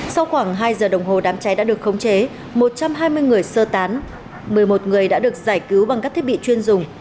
sau khoảng hai giờ đồng hồ đám cháy đã được khống chế một trăm hai mươi người sơ tán một mươi một người đã được giải cứu bằng các thiết bị chuyên dùng